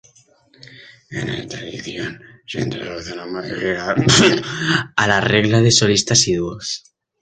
En esta edición se introduce una modificación a la regla de solistas y dúos.